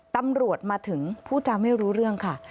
ตำรวจมาถึงผู้จำไม่รู้เรื่องค่ะ